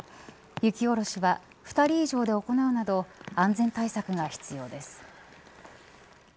雪下ろしは２人以上で行うなど安全対策が必要です。